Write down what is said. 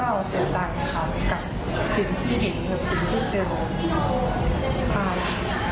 แล้วก็เสียใจกับสิ่งที่เห็นเหมือนสิ่งที่เจอ